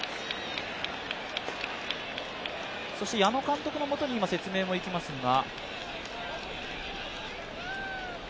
矢野監督のもとに、今、説明もいきますが。